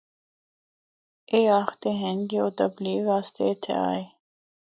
اے آخدے ہن کہ او تبلیغ اسطے اِتھا آئے۔